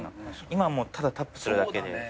今はもうただタップするだけで。